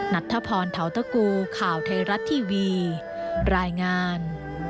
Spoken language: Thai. นัทธพรเทาตะกูข่าวไทยรัฐทีวีรายงาน